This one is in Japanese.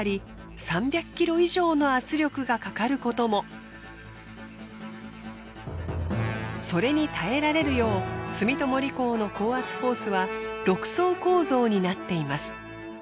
またそれに耐えられるよう住友理工の高圧ホースは６層構造になっています。